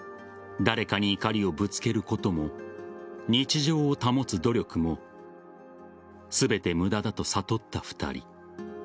誰かに怒りをぶつけることも日常を保つ努力も全て無駄だと悟った２人。